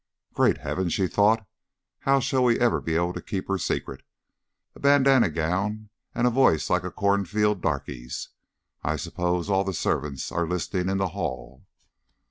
"Great heaven!" she thought. "How shall we ever be able to keep her secret? A bandanna gown and a voice like a cornfield darky's! I suppose all the servants are listening in the hall."